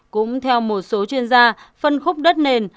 cũng theo một số chuyên gia phân khúc đất nền